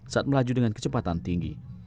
saat melaju dengan kecepatan tinggi